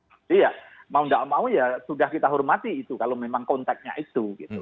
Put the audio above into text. jadi ya mau tidak mau ya sudah kita hormati itu kalau memang konteknya itu gitu